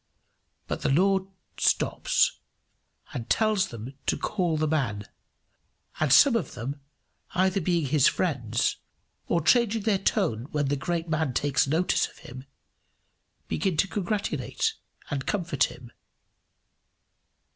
But the Lord stops, and tells them to call the man; and some of them, either being his friends, or changing their tone when the great man takes notice of him, begin to congratulate and comfort him.